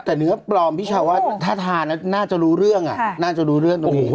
แต่เนื้อปลอมพี่ชาวว่าถ้าทานแล้วน่าจะรู้เรื่องน่าจะรู้เรื่องตรงนี้